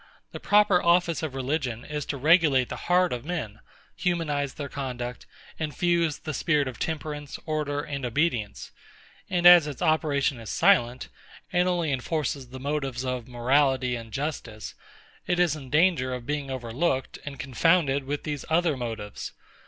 The proper office of religion is to regulate the heart of men, humanise their conduct, infuse the spirit of temperance, order, and obedience; and as its operation is silent, and only enforces the motives of morality and justice, it is in danger of being overlooked, and confounded with these other motives.